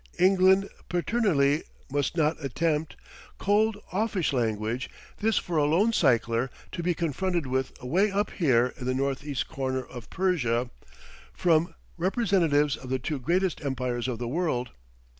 England paternally "must not attempt;" cold, offish language this for a lone cycler to be confronted with away up here in the northeast corner of Persia, from representatives of the two greatest empires of the world.